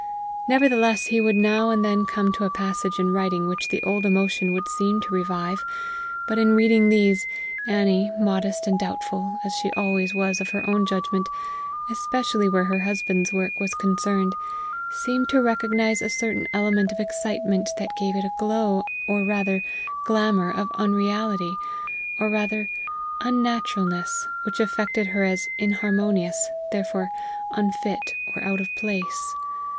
Nevertheless he would now and then come to a passage in writing which the old emotion would seem to revive; but in reading these, Annie, modest and doubtful as she always was of her own judgment, especially where her husband's work was concerned, seemed to recognize a certain element of excitement that gave it a glow, or rather, glamour of unreality, or rather, unnaturalness, which affected her as inharmonious, therefore unfit, or out of place.